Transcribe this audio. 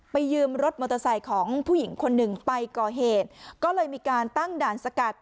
ยืมรถมอเตอร์ไซค์ของผู้หญิงคนหนึ่งไปก่อเหตุก็เลยมีการตั้งด่านสกัด